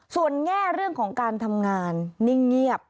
ส่วนแง่เรื่องของการทำงานนิ่งเงียบ